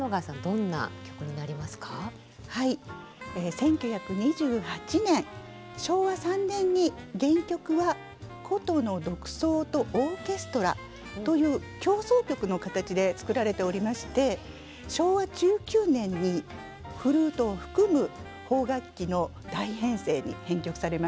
１９２８年昭和３年に原曲は箏の独奏とオーケストラという協奏曲の形で作られておりまして昭和１９年にフルートを含む邦楽器の大編成に編曲されました。